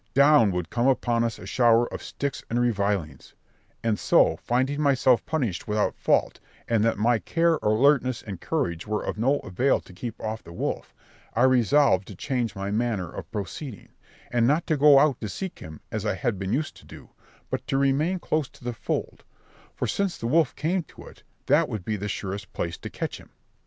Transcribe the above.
Down would come upon us a shower of sticks and revilings; and so, finding myself punished without fault, and that my care, alertness, and courage were of no avail to keep off the wolf, I resolved to change my manner of proceeding, and not to go out to seek him, as I had been used to do, but to remain close to the fold; for since the wolf came to it, that would be the surest place to catch him.